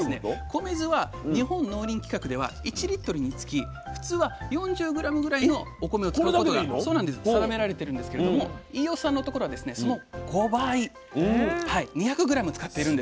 米酢は日本農林規格では１につき普通は４０ｇぐらいのお米を使うことが定められてるんですけれども飯尾さんのところはその５倍２００ｇ使っているんですよ。